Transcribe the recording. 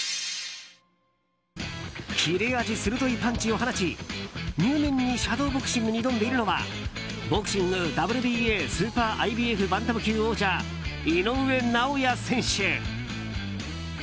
切れ味鋭いパンチを放ち入念にシャドーボクシングに挑んでいるのはボクシングＷＢＡスーパーＩＢＦバンタム級王者井上尚弥選手。